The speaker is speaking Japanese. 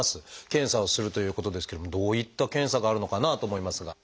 検査をするということですけれどもどういった検査があるのかなと思いますが。